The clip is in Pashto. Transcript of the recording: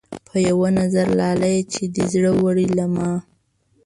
پۀ يو نظر لاليه چې دې زړۀ وړے له ما